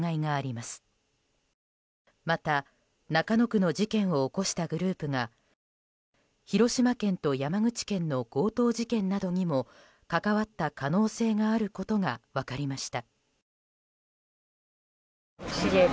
また、中野区の事件を起こしたグループが広島県と山口県の強盗事件などにも関わった可能性があることが分かりました。